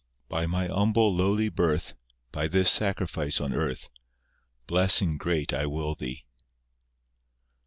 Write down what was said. By My humble, lowly birth, By this sacrifice on earth, Blessing great I will thee.